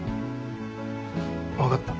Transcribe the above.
分かった。